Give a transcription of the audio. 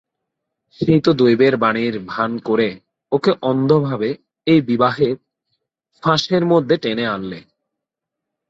সেই তো দৈবের বাণীর ভান করে ওকে অন্ধভাবে এই বিবাহের ফাঁসের মধ্যে টেনে আনলে।